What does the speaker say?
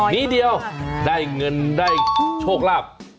นิดเดียวได้เงินได้โชคลาภ